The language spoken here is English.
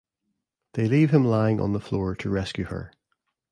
They leave him lying on the floor to rescue her.